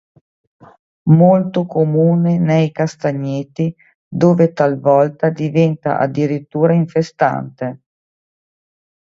Molto comune nei castagneti, dove talvolta diventa addirittura infestante.